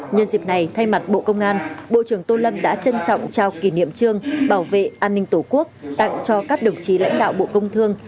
nhân dịp này thay mặt bộ công an bộ trưởng tô lâm đã trân trọng trao kỷ niệm trương bảo vệ an ninh tổ quốc tặng cho các đồng chí lãnh đạo bộ công thương